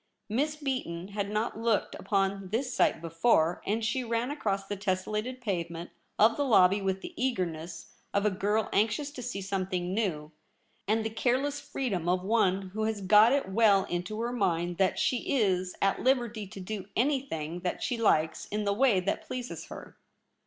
Miss Beaton had not looked upon this sight IN THE LOBBY. 29 before, and she ran across the tessellated pavement of the lobby with the eagerness of a girl anxious to see something new, and the careless freedom of one who has got it well into her mind that she is at liberty to do any thing that she likes in the way that pleases her.